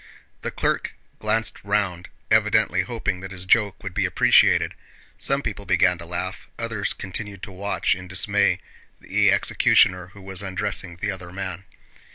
The clerk glanced round, evidently hoping that his joke would be appreciated. Some people began to laugh, others continued to watch in dismay the executioner who was undressing the other man.